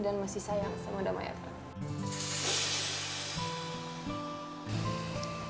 dan masih sayang sama damaya fren